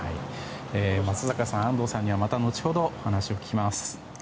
松坂さん、安藤さんにはまた後程お話を聞きます。